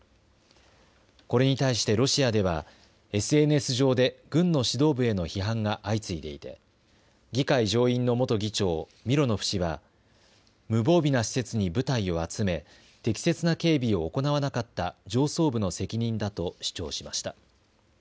これに対してロシアではＳＮＳ上で軍の指導部への批判が相次いでいて議会上院の元議長ミロノフ氏は無防備な施設に部隊を集め適切な警備を行わなかった上層部の責任だと主張しました。